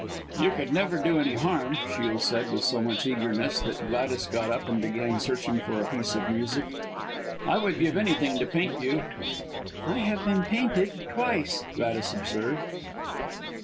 "You could never do any harm!" Shiel said, with so much eagerness that Gladys got up and began searching for a piece of music. "I would give anything to paint you." "I have been painted twice," Gladys observed.